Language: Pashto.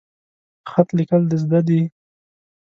خط لیکل د زده ده؟